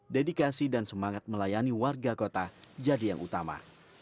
dedikasi dan semangat melayani warga kota jadi yang utama